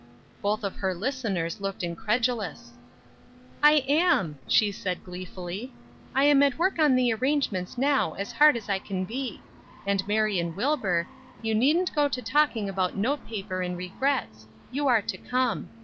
Both of her listeners looked incredulous. "I am," she said, gleefully. "I am at work on the arrangements now as hard as I can be; and Marion Wilbur, you needn't go to talking about note paper and regrets; you are to come.